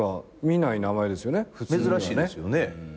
珍しいですよね。